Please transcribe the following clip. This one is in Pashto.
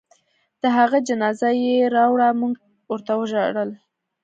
د هغه جنازه چې يې راوړه موږ ورته ژړل.